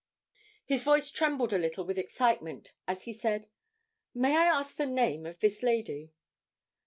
His voice trembled a little with excitement as he said 'May I ask the name of this lady?'